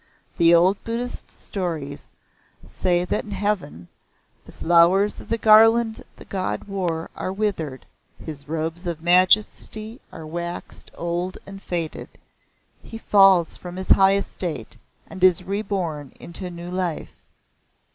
The old Buddhist stories say that in heaven "The flowers of the garland the God wore are withered, his robes of majesty are waxed old and faded; he falls from his high estate, and is re born into a new life."